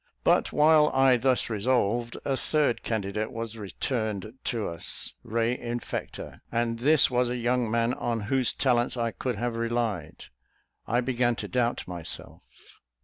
But while I thus resolved, a third candidate was returned to us re infecta; and this was a young man on whose talents I could have relied: I began to doubt myself.